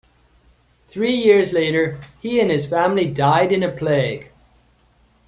Three years later, he and his family died in a plague.